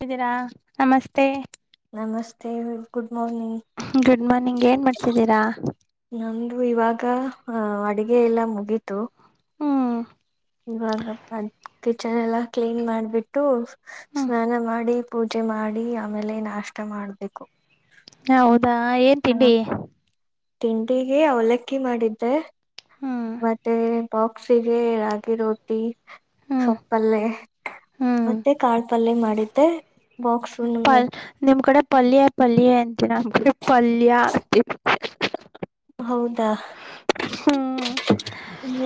ತಿದ್ದೀರಾ ನಮಸ್ತೆ ನಮಸ್ತೆ good morning good morning ಏನ್ ಮಾಡ್ತಿದ್ದೀರ ನಮ್ದ ಇವಾಗ ಅ ಅಡ್ಗೆ ಎಲ್ಲ ಮುಗಿತು. ಹ್ಮ್ ಇವಾಗಪ್ಪ ಕಿಚನ್ ಎಲ್ಲಾ ಕ್ಲೀನ್ ಮಾಡ್ಬಿಟ್ಟು ಹ್ಮ್ ಸ್ನಾನ ಮಾಡಿ ಪೂಜೆ ಮಾಡಿ ಆಮೇಲೆ ನಾಷ್ಟ ಮಾಡಬೇಕು. ಹೌದಾ ಎ ಹಾ ತಿಂಡಿಗೆ ಅವಲಕ್ಕಿ ಮಾಡಿದ್ದೆ ಹ್ಮ್ ಮತ್ತೆ ಬಾಕ್ಸಿಗೆ ರಾಗಿರೋ ಹ್ಮ್ ಸೊಪ್ಪಲ್ಲೆ ಹ್ಮ್ ಮತ್ತೆ ಕಾಳ ಪಲ್ಯೆ ಮಾಡಿದ್ದೆ. ಬಾಕ್ಸು ನಮ್ಮ ಪಲ್ ನಿಮ್ ಕಡೆ ಪಲ್ಯ ಪಲ್ಯ ಎಂತಿರ [unintelligible] ಪಲ್ಯ [unintelligible] ಹೌದಾ ಹ್ಮ್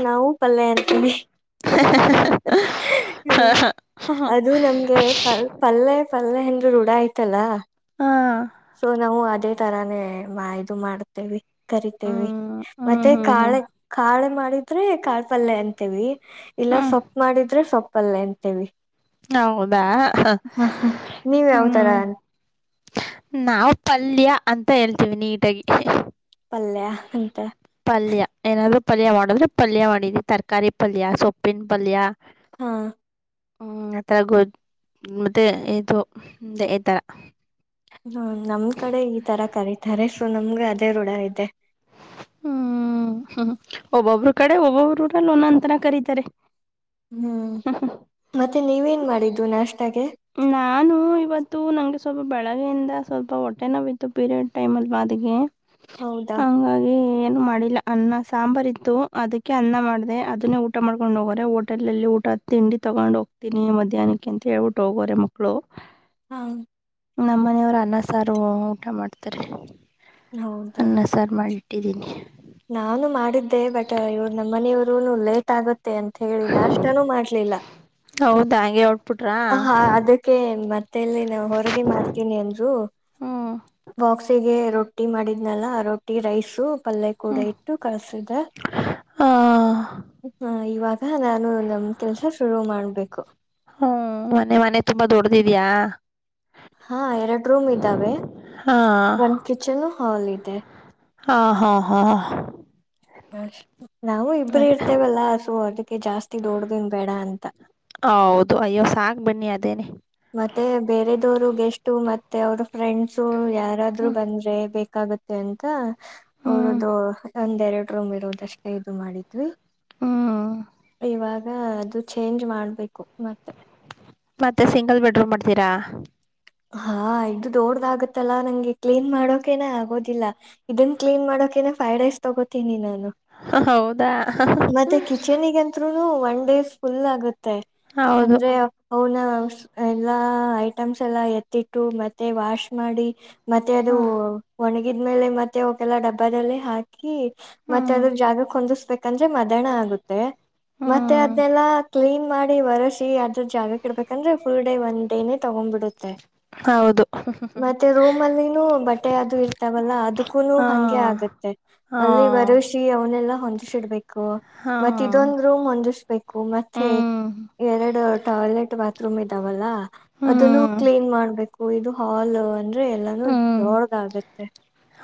ನಾವು ಪಲ್ಯ ಅಂತೀವಿ. ಅ ಹ ಹ ಹ್ ಹ ಹ ಅದು ನಮ್ಗೆ ಫಲ್ ಪಲ್ಲೆ ಪಲ್ಲೆ ಹಂಗೆ ರೂಡ ಆಯ್ತಲ್ಲ. ಹಾ ಸೊ ನಾವು ಅದೇ ತರಾನೇ ಮಾ ಇದು ಮಾಡ್ತಿವಿ. ಕರಿತೇವಿ ಹ್ಮ್ ಹ್ಮ್ ಮತ್ತೆ ಹ್ಮ್ ಹ್ಮ್ ಕಾಳೆ ಕಾಳ್ ಮಾಡಿದ್ರೆ ಕಾಳ್ ಪಲ್ಲೆ ಅಂತೇವಿ. ಇಲ್ಲ ಹ್ಮ್ ಸೊಪ್ ಮಾಡಿದ್ರೆ ಸೊಪ್ಪ್ ಪಲ್ಲೆ ಅಂತೇವಿ. ಹೌದಾ ಅಹ್ ಹಾ ಹಾ ನೀವ್ ಯಾವ್ತರ ಹ್ಮ್ ನಾವು ಪಲ್ಯ ಅಂತ ಹೇಳ್ತೀವಿ ನೀಟಾಗಿ ಪಲ್ಯ ಹಂತ ಪಲ್ಯ ಏನಾದ್ರು ಪಲ್ಯ ಮಾಡಿದ್ರೆ ಪಲ್ಯ ಮಾಡಿದ್ದಿ ತರಕಾರಿ ಪಲ್ಯ ಸೊಪ್ಪಿನ ಪಲ್ಯ ಹಾ ಆ ತ ಗ ಮತ್ತೆ ಇದು ದ ಎತರ. ಹ್ಮ ನಮ್ ಕಡೆ ಈ ತರ ಕರೀತಾರೆ ಸೊ ನಮ್ಗ ಅದೇ ರೂಢ ಇದೆ. ಹ್ಮ್ ಹ್ಮ್ ಒಬ್ಬೊಬ್ಬರು ಕಡೆ ಒಬ್ಬೊಬ್ರುರಲ್ ಒನ್ನೊಂತರ ಕರೀತಾರೆ. ಹ್ಮ್ ಮತ್ತೆ ನೀವೇನ್ ಮಾಡಿದು ನಾಷ್ಟಾಗೆ. ನಾನು ಇವತ್ತು ನಂಗೆ ಸ್ವಲ್ಪ ಬೆಳಗ್ಗೆಯಿಂದ ಸ್ವಲ್ಪ ಹೊಟ್ಟೆ ನೋವಿತ್ತು ಪೀರಿಯಡ್ ಟೈಮ್ ಅಲ್ವಾ ಅದಿಗೆ ಹೌದಾ ಹಂಗಾಗಿ ಏನು ಮಾಡಿಲ್ಲ ಅನ್ನ ಸಾಂಬಾರ್ ಇತ್ತು ಅದಕ್ಕೆ ಅನ್ನ ಮಾಡ್ದೆ ಅದನ್ನೇ ಊಟ ಮಾಡ್ಕೊಂಡ ಹೋಗೋರೆ ಹೋಟೆಲ್ ಅಲ್ಲಿ ಊಟ ತಿಂಡಿ ತಗೊಂಡ ಹೋಗ್ತೀನಿ ಮಧ್ಯಾಹ್ನಕ್ಕೆ ಅಂತ ಹೇಳ್ಬಿಟ್ಟು ಹೋಗೋರೆ ಮಕ್ಕಳು. ಹಾ ನಮ್ಮ ಮನೆಯವರು ಅನ್ನ ಸಾರು ಊಟ ಮಾಡ್ತಾರೆ ನವ್ [unintelligible] ಅನ್ನ ಸಾರ್ ಮಾಡಿಟ್ಟಿದ್ದೀನಿ. ನಾನು ಮಾಡಿದ್ದೆ ಬಟ್ ಇವ್ರು ನಮ್ ಮನೆಯವರುನು ಲೇಟ್ ಆಗು ಮತ್ತೆ ಅಂತ ಹೇಳಿ ನಾಷ್ಟಾನೂ ಮಾಡ್ಲಿಲ್ಲ. ಹೌದ ಯೋಳ್ ಹಾ ಅದಕ್ಕೆ ಮತ್ತೇಲ್ಲಿ ನಾ ಹೊರಗೆ ಮಾಡ್ತೀನಿ ಅಂದ್ರು ಹ್ಮ್ ಬಾಕ್ಸಿಗೆ ರೊಟ್ಟಿ ಮಾಡಿದ್ನಲ್ಲ ರೊಟ್ಟಿ ರೈಸು ಪಲ್ಯ ಕೂಡ ಹ್ಮ್ ಇ ಟ್ಟು ಇದು ಕಳ್ಸಿದ್ದೆ. ಆ ಹಾ ಇವಾಗ ನಾನು ನಮ್ ಕೆಲಸ ಶುರು ಮಾಡ್ಬೇಕು ಹೂ ವನೆ ಮನೆ ಮನೆ ತುಂಬಾ ದೊಡ್ದಿದೀಯ. ಹಾ ಎರಡು ರೂಮ್ ಇದ್ದಾವೆ ಹಾ ಒಂದ್ ಕಿಚನ್, ಹಾಲ್ ಇದೆ ಹಾ ಹಾ ಹಾ ಅ ನಾವು ಇಬರು ಅದೇ ಇರ್ತೇವಲ್ಲಾ ಸೊ ಅದಕ್ಕೆ ಜಾಸ್ತಿ ದೋಡ್ದೇನ್ ಬೇಡ ಅಂತ. ಹೌದು ಅಯ್ಯೋ ಸಾಕ್ ಬನ್ನಿ ಅದೇನೆ. ಮತ್ತೆ ಬೇರೆದವರು ಗೆಸ್ಟು ಮತ್ತೆ ಅವ್ರ್ ಫ್ರೆಂಡ್ಸು ಯಾರಾದ್ರು ಬಂದ್ರೆ ಬೇಕ ಕಾಗುತ್ತೆ ಅಂತ ಹ್ಮ್ ಅವ್ರ್ದು ಒಂದ್ ಎರಡು ರೂಮ್ ಇರೋದಷ್ಟೇ ಇದು ಮಾಡಿದ್ವಿ. ಹ್ಮ್ ಇವಾಗ ಅದು ಚೇಂಜ್ ಮಾಡ್ಬೇಕು ಮತ್ತೆ. ಮತ್ತೆ ಸಿಂಗಲ್ ಬೆಡ್ರೂಮ್ ಮಾಡ್ತೀರಾ? ಹಾ ಇದು ದೊಡ್ದಾಗತ್ತಲ್ಲಾ ನಂಗೆ ಕ್ಲೀನ್ ಮಾಡೋಕೇನೆ ಆಗೋದಿಲ್ಲ. ಇದನ್ ಕ್ಲೀನ್ ಮಾಡೋಕೆನೆ ಫೈವ್ ಡೇಸ್ ತೊಗೋತೀನಿ ನಾನು. ಹೌದಾ ಹ ಹ. ತ್ರೂ ಒನ್ ಡೇಸ್ ಫುಲ್ ಆಗುತ್ತೆ ಹೌದು ಅಂದ್ರೆ ಅವುನ ಎಲ್ಲಾ ಐಟಮ್ಸ್ ಎಲ್ಲ ಎತ್ತಿಟ್ಟು ಮತ್ತೆ ವಾಶ್ ಮಾಡಿ ಮತ್ತೆ ಅದು ಹ್ಮ್ ಒಣಗಿದ್ಮೇಲೆ ಮತ್ತೆ ಅವಕೆಲ್ಲ ಡಬ್ಬದಲ್ಲಿ ಹಾಕಿ ಮತ್ತೆ ಹ್ಮ್ ಅದ್ರ್ ಜಾಗಕ್ ಹೊಂದಿಸ್ಬೇಕಂದ್ರೆ ಮದ್ಯಾಣ ಆಗುತ್ತೆ. ಮತ್ತೆ ಹ್ಮ್ ಅದ್ನೆಲ್ಲಾ ಕ್ಲೀನ್ ಮಾಡಿ ಒರೆಸಿ ಅದ್ರ ಜಾಗ ಇಡ್ಬೇಕಂದ್ರೆ ಫುಲ್ ಡೇ ಒನ್ ಡೇನೇ ತಗೊಂಡ್ಬಿಡುತ್ತೆ. ತ್ತ ಹೌದು ಮತ್ತೆ ರೂಮ್ ಅಲ್ಲಿನೂ ಬಟ್ಟೆ ಅದು ಇರ್ತಾವಲ್ಲ ಅದಕ್ಕೂನು ಹಾ ಹಂಗೆ ಆಗತ್ತೆ. ಹಾ ಅಲ್ಲಿ ಒರೋಸಿ ಅವನೆಲ್ಲಾ ಹೊಂದಸಿಡ್ಬೇಕು ಹಾ ಮತ್ ಇದೊಂದ್ ರೂಮ್ ಹೊಂದಿಸ್ಬೇಕು ಮತ್. ಮತ್ತೆ ಹ್ಮ್ ಎರಡು ಟಾಯ್ಲೆಟ್ ಬಾತ್ರೂಮ್ ಇದಾವಲ್ಲ ಅದನ್ನು. ಹ್ಮ್ ಮಾಡಬೇಕು ಇದು ಹಾಲ್ ಅಂದ್ರೆ ಎಲ್ಲಾನು ಹ್ಮ್ ದೊಡ್ಗ್ ಆಗತ್ತೆ.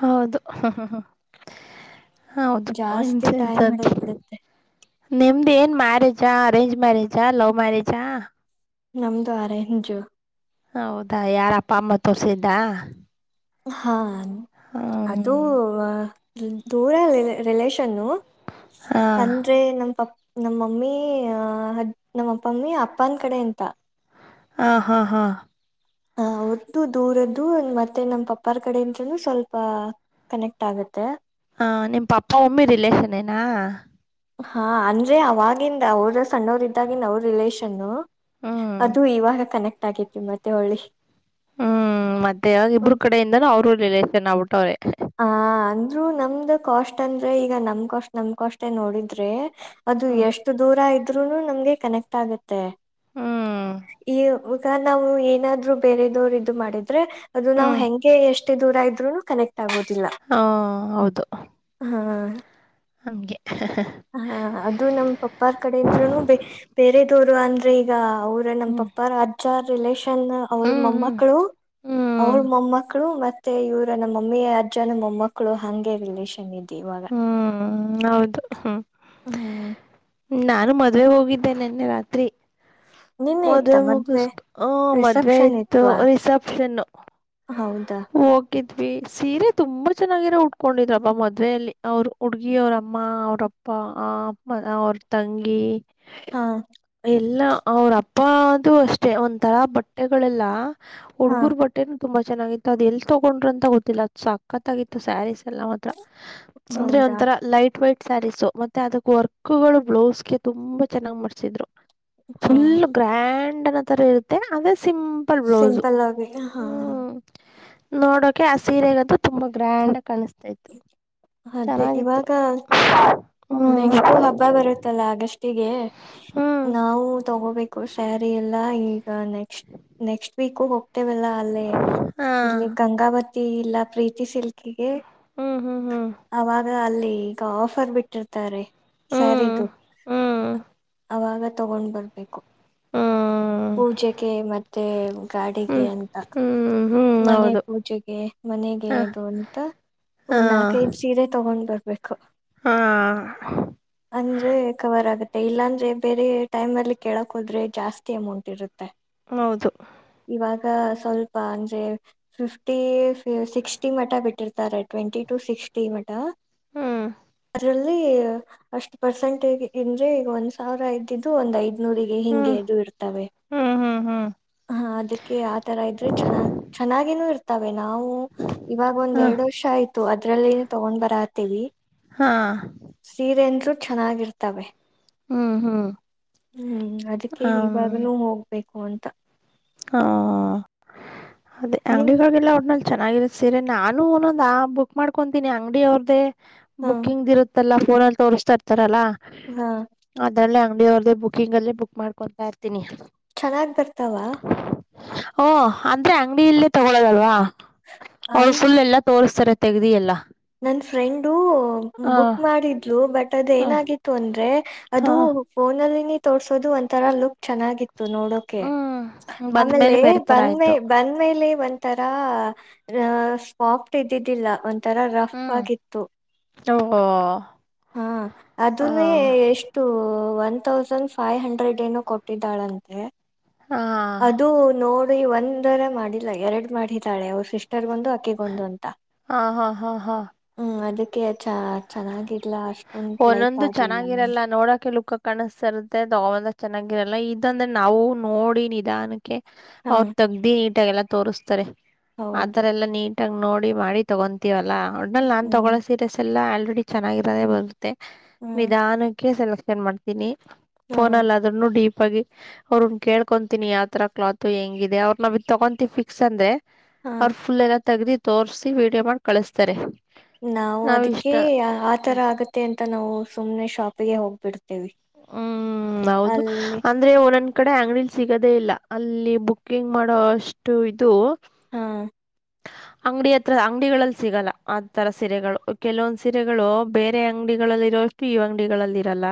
ಹೌದು ಹ ಹ. ಹೌದು ಜಾಸ್ತಿ ಟೈಮ್ ಹಿಡದ್ [unintelligible] ಬಿಡುತ್ತೆ ನಿಮ್ದೇನ್ ಮ್ಯಾರೇಜಾ ಅರೇಂಜ್ ಮ್ಯಾರೇಜಾ ಲವ್ ಮ್ಯಾರೇಜಾ? ನಮ್ದು ಆರೆಂಜು. ಹೌದಾ ಯಾರಪ್ಪ ಅಮ್ಮ ತೋರ್ಸಿದ್ದ? ಹಾ ಅದೂ ದೂರ ರಿಲ್ ರಿಲೇಷನ್ನು ಅಂ ಹಾ ಅಂದ್ರೆ ನಮ್ಮ್ ಪ ನಮ್ಮಮ್ಮಿ ಅದ್ ನಮ್ಮ ಅಪ್ಪಮ್ಮಿ ಅಪ್ಪನ್ ಕಡೆ ಅಂತ. ಆ ಹಾ ಹಾ ಹ ಅವ್ರ್ದು ದೂರದ್ದು ಮತ್ತೆ ನಮ್ಮ ಪಪ್ಪಾರ್ ಕಡೆ ಇಂದನೂ ಸ್ವಲ್ಪ ಕನೆಕ್ಟ್ ಆಗುತ್ತೆ. ಹ ನಿಮ್ಮ್ ಪಪ್ಪ ಮಮ್ಮಿ ರಿಲೇಷನ್ನೇನಾ. ಹಾ ಅಂದ್ರೆ ಅವಾಗಿಂದ ಅವ್ರು ಸಣ್ಣವರ್ದಾಗಿಂದ ಅವ್ರ್ ರಿಲೇಷನ್ನು. ಹ್ಮ್ ಅದು ಇವಾಗ ಕನೆಕ್ಟ್ ಆಗಿದ್ವಿ ಮದ್ವೆ ಒಳ್ಳಿ. ಮದ್ವೆ ಆಗಿ ಇಬ್ಬ್ರ ಕಡೆಯಿಂದನೂ ಅವ್ರ ರಿಲೇಷನ್ ಆಗ್ಬಿಟ್ಟವ್ರೆ. ಹ ಅಂದ್ರು ನಮ್ದ ಕಾಸ್ಟ್ ಅಂದ್ರೆ ಈಗ ನಮ್ ಕಾಸ್ಟ್ ನಮ್ ಕಾಸ್ಟೇ ನೋಡಿದ್ರೆ ಅದು ಹ್ಮ್ ಎಷ್ಟು ದೂರ ಇದ್ರರುನು ನಮ್ಗೆ ಕನೆಕ್ಟ್ ಆಗತ್ತೆ. ಹ್ಮ್ ಈ ಈಗ ನಾವು ಏನಾದ್ರು ಬೇರೆದವರು ಇದು ಮಾಡಿದ್ ದ್ರೆ ಅದು ನಾವು ಹ್ಮ್ ಹೆಂಗೆ ಎಷ್ಟೇ ದೂರ ಇದ್ರುನು ಕನೆಕ್ಟ್ ಆಗೋದಿಲ್ಲ. ಹಾ ಹೌದು ಹಾ ಹಂಗೆ. ಹಾ ಅದು ನಮ್ ಪಪ್ಪಾರ್ ಕಡೆಂದ್ರೂನು ಬ ಬೇರೆದವರು ಅಂದ್ರೆ ಈಗ ಅವರು ಅಂದ್ರೆ ನಮ್ ಹ್ಮ್ ಪಪ್ಪರ ಅಜ್ಜ ರಿಲೇಷನ್ ಅವ್ರ್ ಹ್ಮ್ ಹ್ಮ್ ಮೊಮ್ಮಕ್ಕಳು ಹ್ಮ್ ಅವ್ರ್ ಮೊಮ್ಮಕ್ಕಳು ಮತ್ತೆ ಇವರ ನಮ್ಮ ಮಮ್ಮಿ ಅಜ್ಜನ ಮೊಮ್ಮಕ್ಕಳು ಹಂಗೆ ರಿಲೇಷನ್ ಇದ್ ಇವಾಗ. ಹ್ಮ್ ಹೌದು ಹ್ಮ. ಹ್ಮ್ ನಾನು ಮದ್ವೆ ಹೋಗಿದ್ದೆನೆ ನಿನ್ನೆ ರಾತ್ರಿ. ನಿನ್ನೆ ಇತ್ತ ಮದ್ವೆ ಮುಗಿಸ ಹ ಮದ್ವೆ ರಿಸೆಪ್ಷನ್ ಇತ್ತು ಇತ್ವಾ ರಿಸೆಪ್ಷನ್. ಹೌದಾ. ಹೋಗಿದ್ವಿ ಸೀರೆ ತುಂಬಾ ಚೆನ್ನಾಗಿರ ಉಟ್ಕೊಂಡಿದ್ರಬ್ಬ ಮದುವೆಯಲ್ಲಿ ಅವರು ಹುಡುಗಿ ಅವರಮ್ಮ ಅವ್ರ. ಅಪ್ಪಾ ಆ ಅ ಅವ್ರ ತಂಗಿ. ಹಾ. ಇಲ್ಲ ಅವ್ರ ಅಪ್ಪ ಅದು ಅಷ್ಟೇ ಒಂತರಾ ಬಟ್ಟೆಗಳೆಲ್ಲ ಹಾ ಹುಡುಗರ್ ಬಟ್ಟೆ. ತುಂಬಾ ಚೆನ್ನಾಗಿತ್ತು ಅದು ಎಲ್ಲಿ ತೊಗೊಂಡ್ರ ಅಂತ ಗೊತ್ತಿಲ್ಲ ಅದು ಸಕತ್ತಾಗಿತ್ತು ಸ್ಯಾರೀಸ್. ಎಲ್ಲ ಮಾತ್ರ ಅಂದ್ರೆ ಹೌದಾ ಒಂಥರ ಲೈಟ್ ವೈಟ್ ಸ್ಯಾರೀಸು. ಮತ್ತೆ ಅದಕ್ ವರ್ಕ್ಗಳು ಬ್ಲೌಸ್ಗೆ ತುಂಬಾ ಚೆನ್ನಾಗ್ ಮಾಡ್ಸಿದ್ರು. ಹಾ ಫುಲ್ ಗ್ರ್ಯಾಂಡ್ ಅನ್ನೋ ತರ ಇರುತ್ತೆ ಅದೇ ಸಿಂ. ಸಿಂಪಲ್ ಆಗಿದೇ ಹಾ ಹಾ. ನೋಡೋಕೆ ಆ ಸೀರೆಗದು ತುಂಬಾ ಗ್ರ್ಯಾಂಡ್ ಆ ಕಾಣಿಸ್ತೆ. ಆಯ್ತು ಅದೇ ಚೆನ್ನಾಗಿತ್ತು. ಇವಾಗ ಹ್ಮ್ ನೆಕ್ಸ್ಟ್ ಹಬ್ಬ ಬರುತ್ತಲ್ಲ ಅಗಸ್ಟಿಗೆ ಹ್ಮ್ ನಾವು ತಗೋಬೇಕ. ಸ್ಯಾರಿ ಎಲ್ಲಾ ಈಗ ನೆಕ್ಸ್ಟ್ ನೆಕ್ಸ್ಟ್ ವೀಕು ಹೋಗ್. ಲ್ಲ ಅಲ್ಲೇ ಹಾ ಇಲ್ಲಿ ಗಂಗಾವತಿ ಇಲ್ಲ ಪ್ರೀತಿ ಸಿಲ್. ಹ್ಮ್ ಹ್ಮ್ ಹ್ಮ್. ಅವಾಗ ಅಲ್ಲಿ ಈಗ ಆಫರ್ ಬಿಟ್ಟಿರ್ತಾರೆ. ಸ್ಯಾರಿದು ಹ್ಮ್ ಹ್ಮ್ ಅವಾಗ ತಗೊಂಡ್ ಬರ್ಬೇಕು. ಹ್ಮ್ ಪೂಜೆಗೆ ಮತ್ತೆ ಗಾಡಿಗೆ ಹ್ಮ್ ಅಂತ. ಹ್ಮ್ ಹ್ಮ್ ಮನೆ ಹೌದು ಪೂಜೆಗೆ ಮನೆಗೆ ಹ ಇದು ಅಂತ. ಹಾ ಒಂದ್ ನಾಲ್ಕೈದು ಸೀರೆ ತಗೊಂಡ್ ಬರ್ಬೇಕು. ಹಾ. ಅಂದ್ರೆ ಕವರ್ ಆಗುತ್ತೆ ಇಲ್ಲಾಂದ್ರೆ ಬೇರೆ ಟೈಮ್ ಅಲ್ಲಿ ಕೇಳಕ್ ಹೋದ್ರೆ ಜಾಸ್ತಿ ಅಮೌಂಟ್ ಇರುತ್ತೆ. ಹೌದು. ಇವಾಗ ಸ್ವಲ್ಪ ಅಂದ್ರೆ. ಫಿಫ್ಟಿ ಸಿಕ್ಸ್ಟಿ ಮಠ ಬಿಟ್ಟಿರ್ತಾರೆ ಟ್ವೆಂಟಿ ಟು ಸಿಕ್ಸ್ಟಿ ಮಠ. ಹ್ಮ್. ಅದರಲ್ಲಿ ಅಷ್ಟು ಪರ್ಸೆಂಟೇಜ್ ಅಂದ್ರೆ ಈಗ ಒಂದ್ ಸಾವಿರ ಇದ್ದಿದ್ದು ಒಂದ್ ಐದು. ನೂರಿಗೆ ಹಿಂಗೆ ಹ್ಮ್ ಅದು ಇರುತ್ತವೆ. ಹ್ಮ್ ಹ್ಮ್ ಹ್ಮ್ ಹಾ ಅದಕ್ಕೆ ಆತರ ಇದ್ರೆ ಚೆನ್ನಾಗ್ ಚೆನ್ನಾಗಿನು ಇರ್ತ. ವೆ ನಾವು ಇವಾಗ ಒಂದ್ ಹ ಎರಡು ವರ್ಷ ಆಯ್ತು ಅದ್ರಲ್ಲಿ ತಗೊಂಡ್ ಬರತೇವಿ. ಹಾ. ಸೀರೆ ಅಂದರು ಚೆನ್ನಾಗಿರ್ತ. ಹ್ಮ್ ಹ್ಮ್ ಅದಕ್ಕೆ ಹ್ಮ್ ಇವಾಗನೂ ಹೋಗ್ಬೇಕು ಅಂತ. ಹಾ. ಅದೇ ನಿಮ್ ಅಂಗಡಿಗಳಗೆಲ್ಲ ಆದ್ಮೇಲೆ. ಚೆನ್ನಾಗಿರುತ್ತೆ ಸೀರೆ ನಾನು ಒಂದ ಒಂದ ಬುಕ್ ಮಾಡ್ಕೊತೀನಿ ಅಂಗಡಿ ಅವ್ರ್ದೇ ಹಾ ಬುಕಿಂಗ್ ಇರುತ್ತ. ತ್ತಲ್ಲ ಫೋನ ಅಲ್ಲಿ ತೋರಿಸತ್ತಾ ಇರ್ತಾರಲ್ಲಾ. ಹಾ. ಅದ್ರಲ್ಲೇ ಅಂಗಡಿಯ ಅವ್ರದೇ ಬುಕಿಂಗ್ ಅಲ್ಲೇ ಬುಕ್ ಮಾಡ್ಕೊತಾ ಇರ್ತೀನಿ. ಚೆನ್ನಾಗಿ ಬರ್ತಾವ. ಹೂಂ ಅಂದ್ರೆ ಅಂಗಡಿ ಇಲ್ಲೇ ತಗೊಳ್ಳೋದಲ್ವಾ. ಅವ್ರು ಅನ್ ಫುಲ್ ಎಲ್ಲಾ ತೋಸ್ತಾರೆ ತೆಗದಿ ಎಲ್ಲಾ. ನನ್ನ ಫ್ರೆಂಡು ಹ ಬುಕ್ ಮಾಡಿದ್ಲು ಬಟ್ ಅದ ಹ ಏನಾಗಿತ್ತು ಅಂದ್ರೆ ಹ ಅದು ಫೋನ ಅಲ್ಲಿನೆ ತೋರ್ಸೋದು ಒಂಥರ ಲುಕ್ ಚೆನ್ನಾಗಿತ್ತು ನೋಡೊ ಕೆ ಹ್ಮ್ ಆಮೇಲೆ ಬಂದ್ಮೇಲೆ ಬೇರೆ ತರ ಬಂದ ಆಯ್ತು [unintelligible] ಬಂದ ಮೇಲೆ ಒನ್ ತರ [unintelligible] ಸಾಫ್ಟ್ ಇದ್ದಿದ್ದಿಲ್ಲ ಒಂಥರ ರಫ್ ಹ್ಮ್ ಆಗಿತ್ತು. [unintelligible] ಹಾ ಹ ಅದನ್ನೇ [unintelligible] [unintelligible] ಒನ್ ತೌಸಂಡ್ ಫೈವ್ ಹಂಡ್ರೆಡ್ ಏನು ಕೊಟ್ಟಿದ್ದಾಳಂತೆ. ಹ ಹ ಅದು ನೋಡಿ ಒಂದರ ಮಾಡಿಲ್ಲ ಎರಡು ಮಾಡಿದಾಳೆ ಆವ್ರ್ ಸಿಸ್ಟರ್ಗ್ ಒಂದ್ [unintelligible] ಒಂದು ಅಂತ ಹ ಹ ಹ ಹ್ಮ್ ಚ ಚೆನ್ನಾಗಿಲ್ಲ ಅಷ್ಟೊಂದು ಲೈಕ್ ಒಂದೊಂದು ಆಗ್ಲಿಲ್ಲ ಚೆನ್ನಾಗಿರಲ್ಲ ನಂಗೆ ನೋಡಕೆ [unintelligible] ಕಾಣ್ಸ್ತಇರುತ್ತೆ ತೊಗೊಬಂದಾಗ್ ಚೆನ್ನಾಗಿರಲ್ಲ ಇದಂದ್ರೆ ನಾವು ನೋಡಿ ನಿಧಾನಕ್ ಹಾ ಅವ್ರ ತಗ್ದಿ ನೀಟಾಗೆಲ್ಲ ತೋರಿಸತಾರೆ ಹೌದು ಆತರ ಎಲ್ಲಾ ನೀಟಾಗಿ ನೋಡಿ ಮಾಡಿ ತಗೊಂತೀವಲ್ಲಾ ಒಟ್ನಲ್ಲಿ ನಾನ್ ಹ್ಮ್ ತೊಗೊನೋ ಸೀರೆಸ್ ಎಲ್ಲ ಆಲ್ರೆಡಿ ಚೆನ್ನಾಗಿರೋದೇ ಬಂದ್ [unintelligible] ಹ್ಮ್ ನಿಧಾನಕ್ಕೆ ಸೆಲೆಕ್ಷನ್ ಮಾಡ್ತೀನಿ ಫೋನ ಹಾ ಅಲ್ಲಿ ಅದ್ನು ಡೀಪ್ ಆಗಿ ಅವ್ರಗ್ ಕೇಳ್ಕೊಂತೀನಿ ಯಾವತರ ಕ್ಲಾತ್ ಹೆಂಗಿದೆ ಅವ್ರ ನಾವ್ ಇದ್ ತಗೊಂತಿವ್ ಫಿಕ್ಸ್ ಅಂದ್ರೆ ಹಾ ಅವ್ರ ಫುಲ್ ಎಲ್ಲ ತೆಗ್ದಿ ತೋರ್ಸಿ ವೀಡಿಯೋ ಮಾಡಿ ಕಳಸ್ತಾರೆ. ನಾವು ಅದಕ್ಕೆ ಆತರ ಆಗತ್ತೆ ಅಂತ ನಾವು ಸುಮ್ನೆ ಶಾಪಿಗೆ ಹೋಗ್ಬಿಡ್ತೇವಿ. ಹ್ಮ್ ಹೌದು ಅಲ್ಲಿ [unintelligible] ಅಂದ್ರೆ ಒನ್ ಒಂದ್ ಕಡೆ ಅಂಗ್ಡಿಲ್ ಸಿಗದೇ ಇಲ್ಲ ಅಲ್ಲಿ ಬುಕ್ಕಿಂಗ್ ಮಾಡೋಷ್ಟು ಇದು ಹಾ ಅಂಗಡಿ ಹತ್ರ ಅಂಗಡಿಗಳಲ್ಲಿ ಸಿಗಲ್ಲ ಆ ತರ ಸೀರೆಗಳು ಕೆಲವೊಂದು ಸೀರೆಗಳು ಬೇರೆ ಅಂಗಡಿಗಳಲ್ಲಿರೋ [unintelligible] ಅಂಗಡಿಗಳಲ್ಲಿ ಇರಲ್ಲ.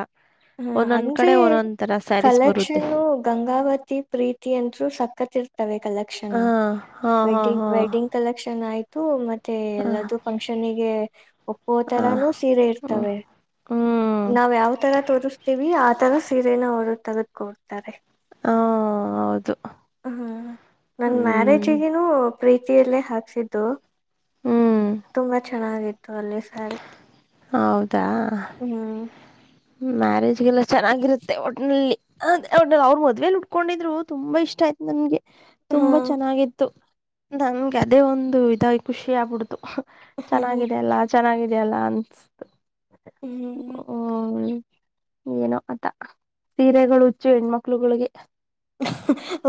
ಹ ಒಂದೊಂದ್ ಅಂದ್ರೆ ಕಡೆ ಒಂದೊಂದ್ ತರ ಸ್ಯಾರೀಸ್ ಬರುತ್ತೆ ಕಲೆಕ್ಷನ್ನು ಗಂಗಾವತಿ ಪ್ರೀತಿ ಅಂದರು ಸಕ್ಕತ್ ಇರ್ತವೆ ಕಲೆಕ್ಷನ್ ಹಾ ಹಾ ಹಾ ವೆಡ್ಡಿಂಗ್ ವೆಡ್ಡಿಂಗ್ ಹಾ ಕಲೆಕ್ಷನ್ ಆಯ್ ತು ಮತ್ತೆ ಎಲ್ಲ್ದೂ ಫಂಕ್ಷನಿಗೆ ಒಪ್ಪೋ ಹ ತರನು ಸೀರೆ ಹ ಹ್ಮ್ ಇರ್ತವೆ. ಹ್ಮ್ ನಾವ್ ಯಾವ್ ತರ ತೋರ್ರಿಸ್ತೀವಿ ಆತರ ಸೀರೆನ ಅವ್ರು ತೆಗೆದುಕೊಡ್ತಾರೆ. ಹ ಹೌದು ಹ್ಮ್ ನನ್ ಹ್ಮ್ ಮ್ಯಾರೇಜ್ಗನು ಪ್ರೀತಿಯಲ್ಲೇ ಹಾಕ್ಸಿದ್ದು ಹ್ಮ್ ತುಂಬಾ ಚೆನ್ನಾಗಿತ್ತು ಅಲ್ಲಿ ಸ್ಯಾರಿ. ಹೌದಾ ಹ್ಮ್ ಮ್ಯಾರೇಜ್ಗೆಲ್ಲ ಚೆನ್ನಾಗಿರುತ್ತೆ ಒಟ್ಟನಲ್ಲಿ [unintelligible] ಮದ್ವೆಗ್ [unintelligible] ಕೊಂಡಿದ್ರು ತುಂಬಾ ಇಷ್ಟ ಆಯ್ತು ನನ್ಗೆ ಹಾ ತುಂಬಾ ಚೆನ್ನಾಗಿತ್ತು. ನಂಗೆ ಹ್ಮ್ ಅದೇ ಒಂದು ಇದಾಗಿ ಖುಷಿ ಆಗ್ಬಿಡ್ತು ಚೆನ್ನಾಗಿದೆ ಅಲ್ಲ [unintelligible] ಚೆನ್ನಾಗಿದ್ಯಲ್ಲ ಅನ್ಸತ್ತು. ಹ್ಮ್ [unintelligible] ಹ್ಮ ಏನೋ ಆತಾ ಸೀರೆಗಳು ಹುಚ್ಚು ಹೆಣ್ಮಕ್ಳುಗಳಿಗೆ.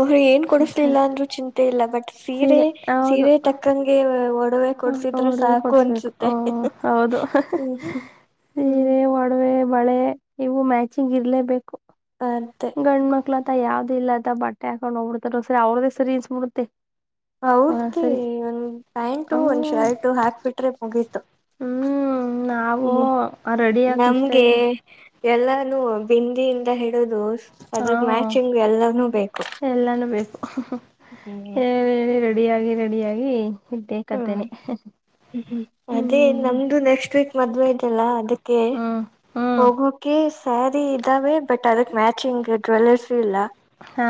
ಅವರು ಏನ್ ಕೊಡಸ್ಲಿಲ್ಲ ಅಂದ್ರರು ಚಿಂತೆ ಇಲ್ಲ ಬಟ್ ಸೀರೆ ಸೀರೆ [unintelligible] ಒಡವೆ ಕೊಡ್ಸಿದ್ರೆ [unintelligible] ಸಾಕು ಕೊಡಿಸ್ಬೇಕು ಅನ್ಸುತ್ತೆ [unintelligible] ಹೌದು [inaudible] ಹ್ಮ್ ಹ್ಮ್ [unintelligible] ಬಳೆ ಇವು ಮ್ಯಾಚಿಂಗ್ ಇರ್ಲೇಬೇಕು. [unintelligible] ಗಣ್ಮಕ್ಳು ಅತ್ತ ಯಾವ್ದ್ ಇಲ್ಲ ಅತ್ತ ಬಟ್ಟೆ ಹಾಕೊಂಡ್ ಹೋಗಬಿಡ್ತಾರ [unintelligible] ಸರಿ ಅವ್ರದೆ ಸರಿ ಇನ್ಸ್ಬಿಡುತ್ತೆ. [unintelligible] ಒಂದೊಂದ್ಸರಿ ಒಂದ್ ಪ್ಯಾಂಟು ಹ ಒಂದ್ ಶರ್ಟು ಹಾಕ್ಬಿಟ್ರೆ ಮುಗೀತು. ಹ್ಮ್ ನಾವು ಹ್ಮ್ ರೆಡಿ [unintelligible] ಇಷ್ಟ ನಮ್ಗೆ ಇಲ್ ಎಲ್ಲಾನು ಬಿಂದಿಯಿಂದ ಹಿಡುದು ಅದ್ರ ಮ್ಯಾಚಿಂಗ್ ಎಲ್ಲಾನೂ ಬೇಕು. ಎಲ್ಲಾನೂ ಬೇಕು ಹ್ಮ್ ಹೇಳಿ ಹೇಳಿ ರೆಡಿಯಾಗಿ ರೆಡಿಯಾಗಿ ಇದ್ದೇ ಹಾ ಕತ್ತೇನೆ ಹ್ಮ ಅದೇ ಹ್ಮ್ ನಮ್ದು ನೆಕ್ಸ್ಟ್ ವೀಕ್ ಮದ್ವೆ ಇದೆಲ್ಲ ಅದಕ್ಕೆ ಹ್ಮ್ ಹ್ಮ್ ಹೋಗೋಕೆ ಸ್ಯಾರಿ ಇದ್ದಾವೆ ಬಟ್ ಅದಕ್ ಮ್ಯಾಚಿಂಗ್ ಜುವೆಲ್ಲರ್ಸ್ ಇಲ್ಲ. ಹಾ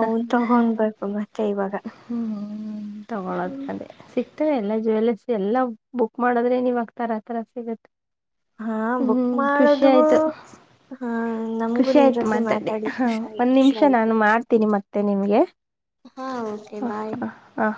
ಅವುನ್ ತಗೊಡ್ಬೇಕು ಮತ್ತೆ ಇವಾಗ. ಹ್ಮ್ ತಗೊಳೋದ್ ಅದೇ. ಸಿಗ್ತವೆ ಎಲ್ಲಾ ಜುವೆಲರ್ಸ್ ಎಲ್ಲ ಬುಕ್ ಮಾಡದ್ರೆ ನೀವಾಗ್ಗ್ತರ ಆತರ ಸಿಗುತ್ತೆ. ಹಾ ಬುಕ್ ಹ್ಮ್ ಖುಷಿ ಮಾಡೋದು ಆಯ್ತು. ಹಾ ನಮ್ಗೂ ಖುಷಿ ನಿಮ್ ಆಯ್ತು ಜೊತೆ ಮಾತಾಡಿ ಹಾ ಖುಷಿ ಆಯ್ತು ಒಂದ್ ಖುಷಿ ನಿಮಿಷ ಆಯ್ತು ನಾನು ಮಾಡ್ತಿನಿ ಮತ್ತೆ ನಿಮ್ಗೆ. ಹಾ ಓಕೆ ಬಾಯ್. ಹಾ